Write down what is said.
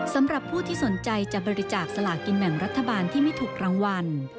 สำหรับผู้ที่สนใจจะบริจาคสลากินแบ่งรัฐบาลที่ไม่ถูกรางวัล